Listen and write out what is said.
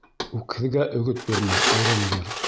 Үкһеҙгә өгөт бирмә, урын бир.